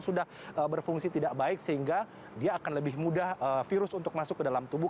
sudah berfungsi tidak baik sehingga dia akan lebih mudah virus untuk masuk ke dalam tubuh